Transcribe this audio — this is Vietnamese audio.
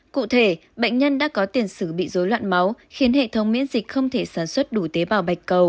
cụ thể bệnh nhân đã có tiền sử bị dối loạn máu khiến hệ thống miễn dịch không thể sản xuất đủ tế bào bạch cầu